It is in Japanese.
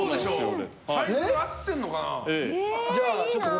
サイズ、合ってるのかな。